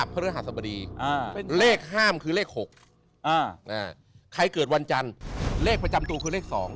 พระฤหัสบดีเลขห้ามคือเลข๖ใครเกิดวันจันทร์เลขประจำตัวคือเลข๒